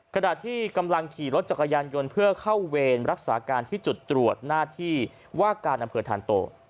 ขณะที่กำลังขี่รถจักรยานยนต์เพื่อเข้าเวรรักษาการที่จุดตรวจหน้าที่ว่าการอำเภอธานโต